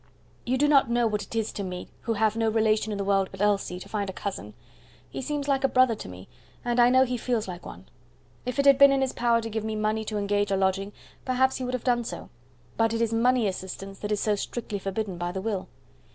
You do not know what it is to me, who have no relation in the world but Elsie, to find a cousin. He seems like a brother to me, and I know he feels like one. If it had been in his power to give me money to engage a lodging, perhaps he would have done so, but it is money assistance that is so strictly forbidden by the will."